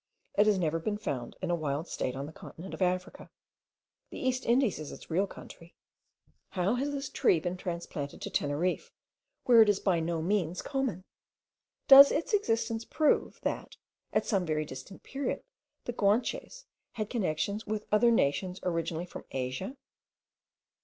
It has never been found in a wild state on the continent of Africa. The East Indies is its real country. How has this tree been transplanted to Teneriffe, where it is by no means common? Does its existence prove, that, at some very distant period, the Guanches had connexions with other nations originally from Asia?